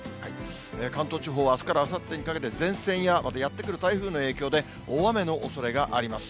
関東地方はあすからあさってにかけて、前線や、またやって来る台風の影響で、大雨のおそれがあります。